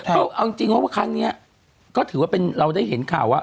ก็เอาจริงว่าครั้งนี้ก็ถือว่าเป็นเราได้เห็นข่าวว่า